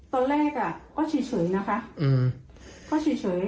ตอนแรกอ่ะก็เฉยนะคะก็เฉย